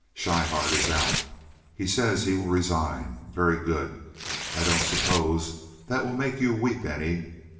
Schryhart iss out. He sess he vill resign. Very goot. I don't subbose dot vill make you veep any.